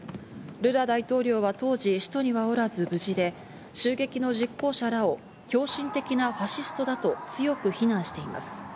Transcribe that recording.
ルラ大統領は当時、首都にはおらず無事で、襲撃の実行者らを狂信的なファシストだと強く非難しています。